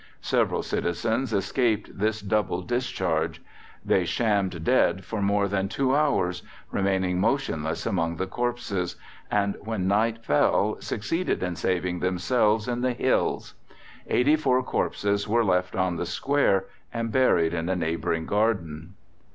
Several citizens escaped this double discharge. They shammed dead for more than two hours, remaining motionless among the corpses, and when night fell succeeded in saving themselves in the hills. Eighty four corpses were left on the Square, and buried in a neighbouring garden.